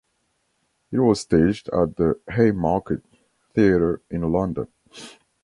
It was staged at the Haymarket Theatre in London.